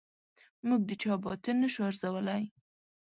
موږ د چا باطن نه شو ارزولای.